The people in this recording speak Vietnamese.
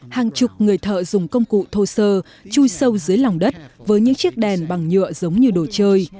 hàng chục người thợ dùng công cụ thô sơ chui sâu dưới lòng đất với những chiếc đèn bằng nhựa giống như đồ chơi